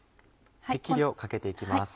適量かけて行きます。